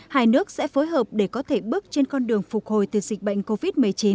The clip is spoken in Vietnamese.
hai nước sẽ phối hợp để có thể bước trên con đường phục hồi từ dịch bệnh covid một mươi chín